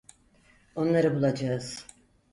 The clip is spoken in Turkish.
Onları bulacağız.